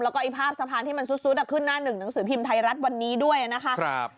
แล้วก็ไอ้ภาพสะพานที่มันซุดขึ้นหน้าหนึ่งหนังสือพิมพ์ไทยรัฐวันนี้ด้วยนะคะ